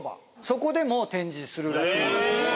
そこでも展示するらしいですね